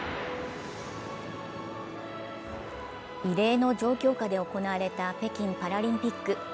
異例の状況下で行われた北京パラリンピック。